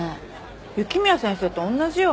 雪宮先生と同じよ。